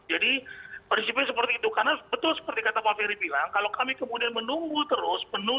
jadi prinsipnya seperti itu karena betul seperti kata pak ferry bilang kalau kami kemudian menunggu terus